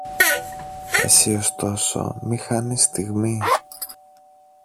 Εσύ ωστόσο μη χάνεις στιγμή.